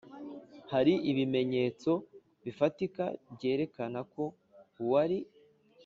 hari ibimenyetso bifatika byerekana ko uwari